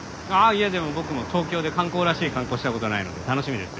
いやでも僕も東京で観光らしい観光した事ないので楽しみです。